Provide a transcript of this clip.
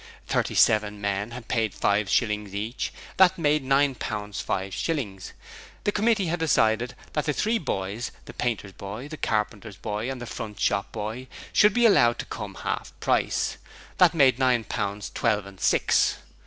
Thirty seven men had paid five shillings each: that made nine pounds five shillings. The committee had decided that the three boys the painters' boy, the carpenters' boy and the front shop boy should be allowed to come half price: that made it nine pounds twelve and six.